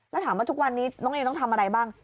แล้วถามว่าทุกวันนี้น้องเอต้องทำอะไรบ้าง